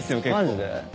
マジで？